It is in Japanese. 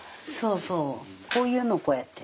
こういうのをこうやって。